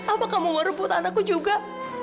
apa kamu ngerebut anakku juga